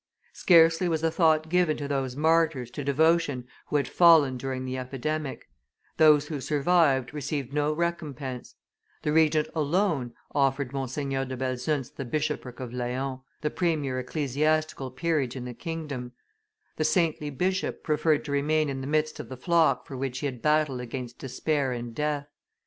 Scarcely was a thought given to those martyrs to devotion who had fallen during the epidemic; those who survived received no recompense; the Regent, alone, offered Monseigneur de Belzunce the bishopric of Laon, the premier ecclesiastical peerage in the kingdom; the saintly bishop preferred to remain in the midst of the flock for which he had battled against despair and death.